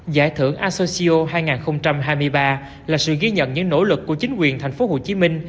giải thưởng asocio hai nghìn hai mươi ba là sự ghi nhận những nỗ lực của chính quyền thành phố hồ chí minh